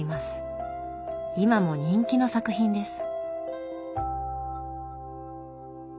今も人気の作品です。